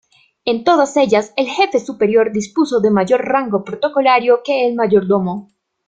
En todas ellas, el jefe superior dispuso de mayor rango protocolario que el mayordomo.